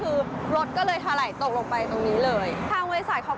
ซึ่งพอเราติดต่อทางบริษัทเกาะสร้าง